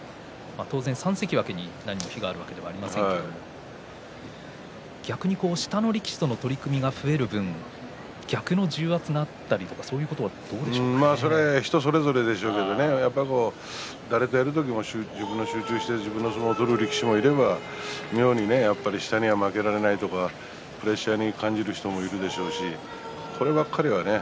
３関脇に非があるわけではありませんが逆に下の力士との取組が増える分逆の重圧があったりとかは人それぞれだと思いますが自分で集中して自分の相撲を取る力士もいれば妙に人に負けられないとプレッシャーに感じる人もいるでしょうしこればかりはね。